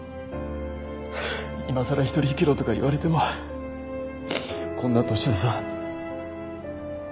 今さら一人生きろとか言われてもこんな年でさ。